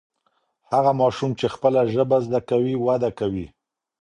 هغه ماشوم چې خپله ژبه زده کوي وده کوي.